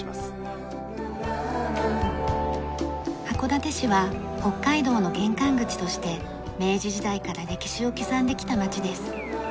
函館市は北海道の玄関口として明治時代から歴史を刻んできた町です。